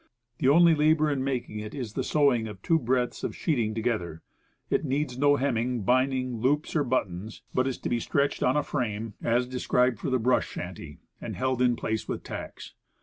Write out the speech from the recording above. The only labor in making it is sewing two breadths of sheeting together. It needs no hemming, binding, loops or buttons, but is to be stretched on a frame as described for the brush shanty, and held in place with tacks.